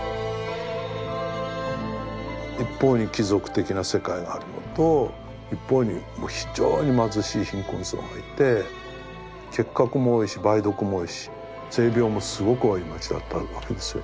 一方に貴族的な世界があるのと一方にもう非常に貧しい貧困層がいて結核も多いし梅毒も多いし性病もすごく多い街だったわけですよ。